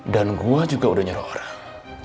dan gue juga udah nyerah orang